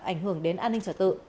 ảnh hưởng đến an ninh trật tự